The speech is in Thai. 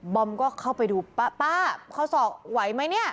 อมก็เข้าไปดูป้าข้อศอกไหวไหมเนี่ย